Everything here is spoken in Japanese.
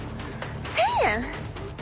１，０００円！？